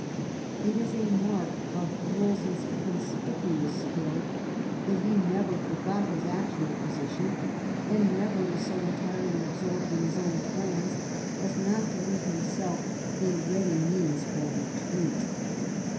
It is a mark of Wolsey's conspicuous skill that he never for got his actual position, and never was so entirely ab sorbed in his own plans as not to leave himself a ready V THE CONFERENCE OF CALAIS 83 means for retreat.